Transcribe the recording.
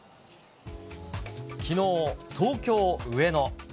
きのう、東京・上野。